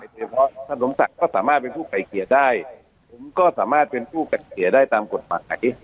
เฉพาะท่านสมศักดิ์ก็สามารถเป็นผู้ไก่เกลี่ยได้ผมก็สามารถเป็นผู้ไก่เกลียได้ตามกฎหมาย